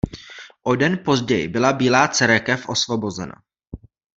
O den později byla Bílá Cerekev osvobozena.